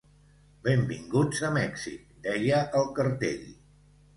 Benvinguts a Mèxic, deia el cartell.